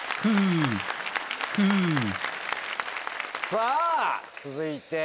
さぁ続いて。